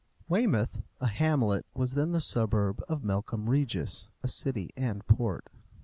Weymouth, a hamlet, was then the suburb of Melcombe Regis, a city and port.